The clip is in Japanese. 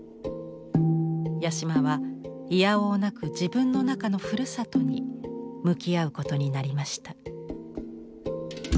八島はいやおうなく自分の中の「ふるさと」に向き合うことになりました。